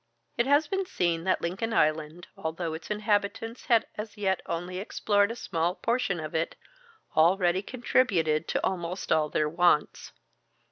It has been seen that Lincoln Island, although its inhabitants had as yet only explored a small portion of it, already contributed to almost all their wants.